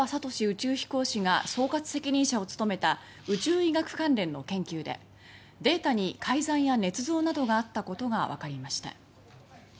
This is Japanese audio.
宇宙飛行士が総括責任者を務めた宇宙医学関連の研究でデータに改ざんやねつ造などがあったことがわかりました。